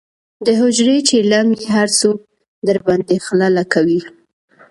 دحجرې چیلم یې هر څوک درباندې خله لکوي.